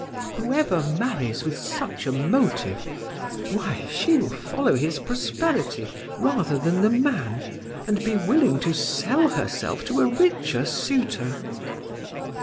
Whoever marries with such a motive why, she will follow his prosperity rather than the man, and be willing to sell herself to a richer suitor.